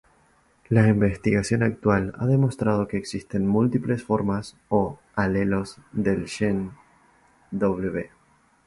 La investigación actual ha demostrado que existen múltiples formas, o alelos, del gen "W".